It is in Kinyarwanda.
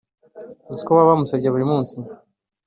uziko baba bamusebya buri munsi